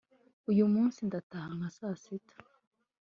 uyumunsi ndataha nka saa sita